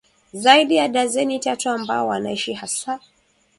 Zaidi ya dazeni tatu ambao wanaishi hasa